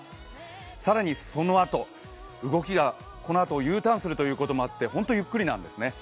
更にそのあと動きがＵターンするということもあって本当にゆっくりなんですよね。